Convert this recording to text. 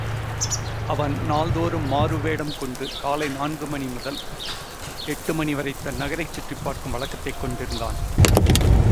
அவன் நாள்தோறும் மாறுவேடம் கொண்டு காலை நான்கு மணிமுதல் எட்டு மணிவரை தன் நகரைச் சுற்றிப்பார்க்கும் வழக்கத்தை மேற்கொண்டிருந்தான்.